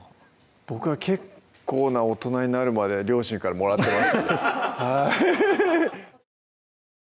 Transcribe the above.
僕は結構な大人になるまで両親からもらってました